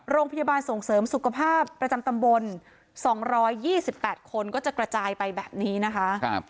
โรงพยาบาลส่งเสริมสุขภาพประจำตำบล๒๒๘คนก็จะกระจายไปแบบนี้นะคะ